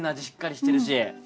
しっかりしてるし。